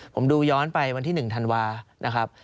ผมดูย้อนไปวันที่๑ธันวานะครับ